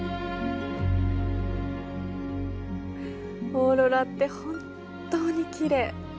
オーロラって本当にきれい。